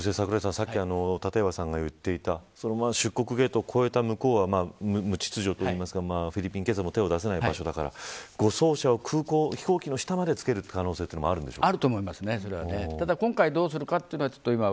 さっき立岩さんが言っていた出国ゲートを越えた向こうは無秩序というかフィリピン警察も手を出せない場所だから護送車を飛行機の下までつける可能性もあるんですか。